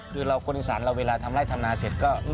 คือเราคนอีสานเราเวลาทำไร่ทำนาเสร็จก็